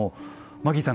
マギーさん